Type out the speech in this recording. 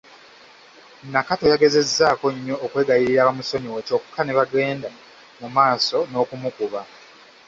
Nakato yagezezzaako nnyo okwegayirira bamusonyiwe kyokka ne bagenda mu maaso n’okumukuba.